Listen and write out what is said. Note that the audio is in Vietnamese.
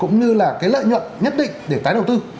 cũng như là cái lợi nhuận nhất định để tái đầu tư